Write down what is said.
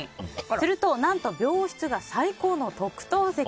すると、何と病室が最高の特等席。